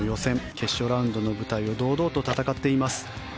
決勝ラウンドの舞台を堂々と戦っています。